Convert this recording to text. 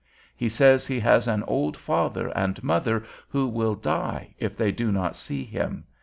He says he has an old father and mother who will die if they do not see him.